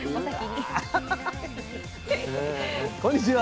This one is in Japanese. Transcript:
こんにちは。